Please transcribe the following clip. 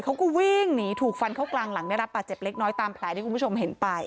เขาก็วิ่งหนีถูกฟันเข้ากลางหลังได้รับบาดเจ็บเล็กน้อยตามแผลที่คุณผู้ชมเห็นไป